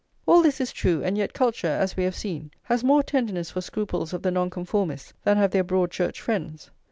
[xlviii] All this is true; and yet culture, as we have seen, has more tenderness for scruples of the Nonconformists than have their Broad Church friends.